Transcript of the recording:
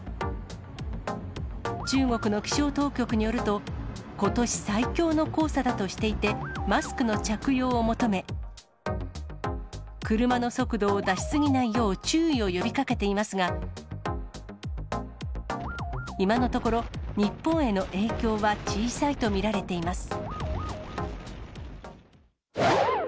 中国の気象当局によると、ことし最強の黄砂だとしていて、マスクの着用を求め、車の速度を出し過ぎないよう、注意を呼びかけていますが、今のところ、日本への影響は小さいと見られています。